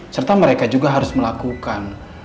serta mereka juga harus melakukan